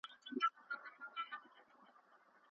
د مڼې خوړل انسان له ډاکټر څخه بې غمه کوي.